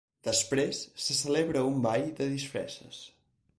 Després, se celebra un ball de disfresses.